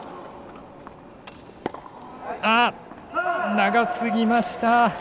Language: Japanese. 長すぎました。